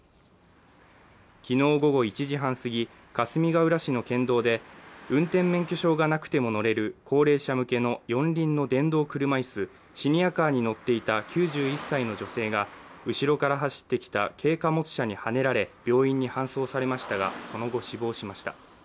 昨日午後１時半過ぎ、かすみがうら市の県道で、運転免許証がなくても乗れる高齢者向けの四輪の電動車いす、シニアカーに乗っていた９１歳の情勢が後ろから走ってきた軽貨物車にはねられ、病院に搬送されましたがその後死亡しました。